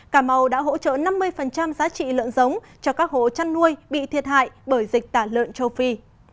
cà mau đã hỗ trợ năm mươi giá trị lợn giống cho các hộ chăn nuôi bị thiệt hại bởi dịch tả lợn châu phi